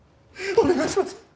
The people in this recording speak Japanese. お願いします！